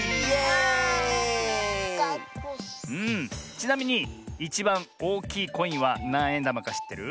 ちなみにいちばんおおきいコインはなんえんだまかしってる？